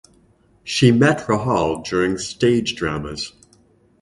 She met Rahal during stage dramas.